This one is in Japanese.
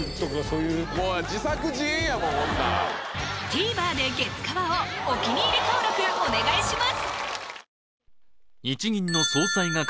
ＴＶｅｒで「月カワ」をお気に入り登録お願いします！